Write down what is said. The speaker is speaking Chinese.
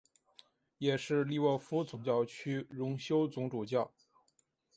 也是利沃夫总教区荣休总主教。